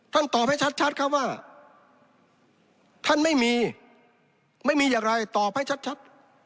ตอบให้ชัดครับว่าท่านไม่มีไม่มีอย่างไรตอบให้ชัด